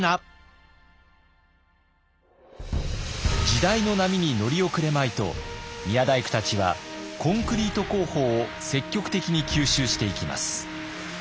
時代の波に乗り遅れまいと宮大工たちはコンクリート工法を積極的に吸収していきます。